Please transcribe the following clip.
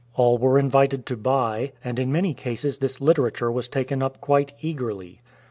All were invited to buy, and in many cases this literature was taken up quite eagerly.